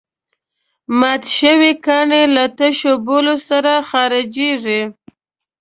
مات شوي کاڼي له تشو بولو سره خارجېږي.